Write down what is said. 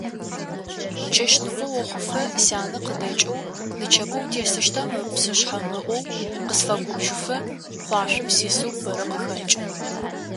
Чэщныкъо охъуфэ, сянэ къыдэкӀэу «нычэпэ утесыщта мы псышъхьэм» ыӀоу, къысфэгубжыфэ къуашъом сисэу бэрэ къыхэкӀы.